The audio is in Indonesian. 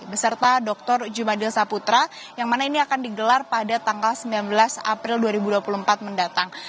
beserta dr jumadil saputra yang mana ini akan digelar pada tanggal sembilan belas april dua ribu dua puluh empat mendatang